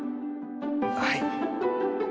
はい。